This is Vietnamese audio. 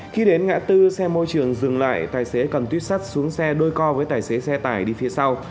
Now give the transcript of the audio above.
khi đến ngã tư xe môi trường dừng lại tài xế cần tuyết sắt xuống xe đôi co với tài xế xe tải đi phía sau